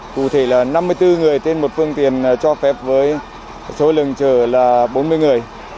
cụ thể là năm mươi bốn người trên một phương tiện cho phép với số lượng chở là bốn mươi người